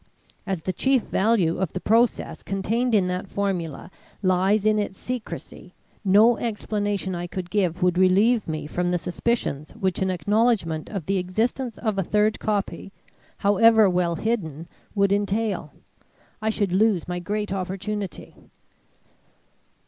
As the chief value of the process contained in that formula lies in its secrecy, no explanation I could give would relieve me from the suspicions which an acknowledgment of the existence of a third copy, however well hidden, would entail. I should lose my great opportunity."